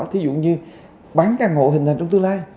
thí dụ như bán căn hộ hình trong tương lai